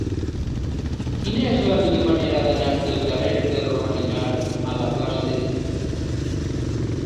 Quina és la millor manera d'anar del carrer del Romaninar a la plaça de Trilla?